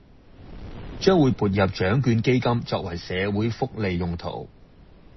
將會撥入獎卷基金作為社會福利用途